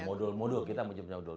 modul modul kita menyebutnya modul